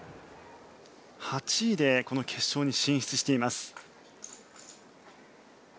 ８位でこの決勝に進出しています。